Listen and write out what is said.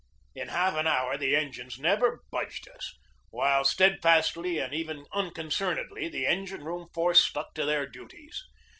In half an hour the engines never budged us, while steadfastly and even unconcernedly the engine room force stuck to their duties.